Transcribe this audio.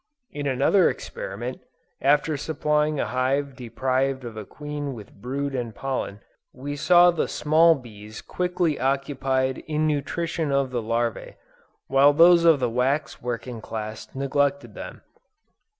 In another experiment, after supplying a hive deprived of a queen with brood and pollen, we saw the small bees quickly occupied in nutrition of the larvæ, while those of the wax working class neglected them.